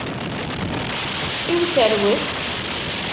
I userwet?